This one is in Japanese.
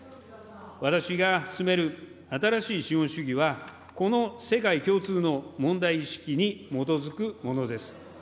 私が進める新しい資本主義は、この世界共通の問題意識に基づくものです。